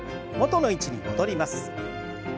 元の位置に戻ります。